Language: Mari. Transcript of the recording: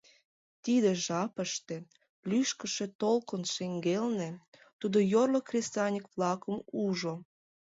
Тиде жапыште, лӱшкышӧ толкын шеҥгелне, тудо йорло кресаньык-влакым ужо.